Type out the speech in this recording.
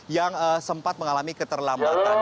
yang sempat mengalami keterlambatan